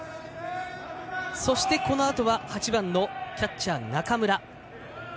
このあとは８番のキャッチャー中村。